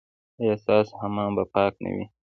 ایا ستاسو حمام به پاک نه وي؟